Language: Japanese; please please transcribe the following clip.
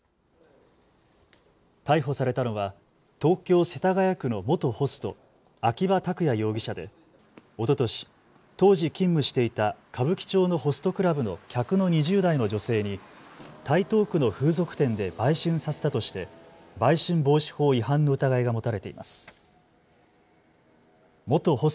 逮捕されたのは東京世田谷区の元ホスト、秋葉拓也容疑者でおととし、当時、勤務していた歌舞伎町のホストクラブの客の２０代の女性に台東区の風俗店で売春させたとして売春防止法違反の疑いが持たれています。